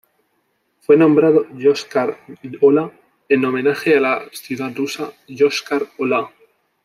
Fue nombrado Yoshkar-Ola en homenaje a la ciudad rusa Yoshkar-Olá.